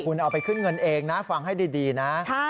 คุณเอาไปขึ้นเงินเองนะฟังให้ดีนะ